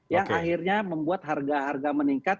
yang akhirnya membuat harga harga meningkat